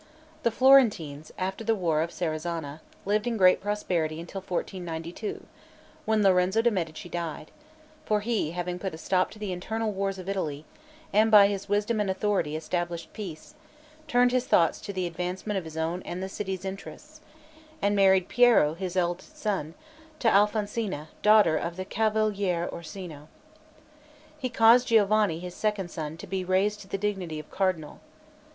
The Florentines after the war of Serezana, lived in great prosperity until 1492, when Lorenzo de' Medici died; for he having put a stop to the internal wars of Italy, and by his wisdom and authority established peace, turned his thoughts to the advancement of his own and the city's interests, and married Piero, his eldest son, to Alfonsina, daughter of the Cavaliere Orsino. He caused Giovanni, his second son, to be raised to the dignity of cardinal.